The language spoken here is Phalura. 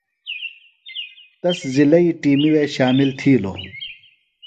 تس ضلعئی ٹِیمی وے شامل تِھیلوۡ۔